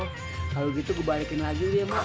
kalo gitu gua balikin lagi dulu ya mak